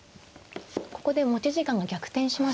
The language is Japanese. ここで持ち時間が逆転しましたね。